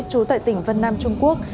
trú tại tỉnh vân nam trung quốc